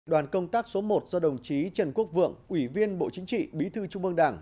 đoàn công tác số một do đồng chí trần quốc vượng ủy viên bộ chính trị bí thư trung ương đảng